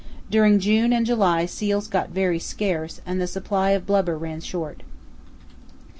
During June and July seals got very scarce, and the supply of blubber ran short.